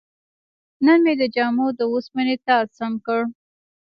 نن مې د جامو د وسپنې تار سم کړ.